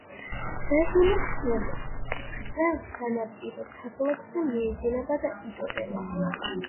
სევილიის ქვემოთ ბრტყელ სანაპირო დაბლობზე მიედინება და იტოტება.